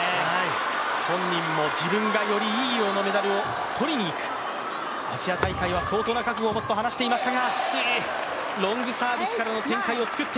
本人も、自分がより、いい色のメダルを取りにいく、アジア大会は相当な覚悟を持つと話していました。